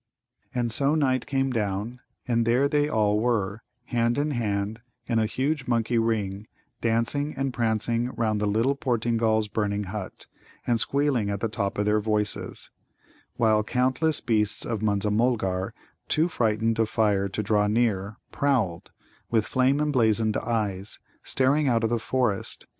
And so Night came down, and there they all were, hand in hand in a huge monkey ring, dancing and prancing round the little Portingal's burning hut, and squealing at the top of their voices; while countless beasts of Munza mulgar, too frightened of fire to draw near, prowled, with flame emblazoned eyes, staring out of the forest.